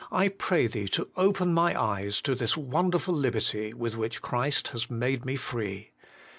I pray Thee to open my eyes to this wonderful liberty with which Christ has made me free.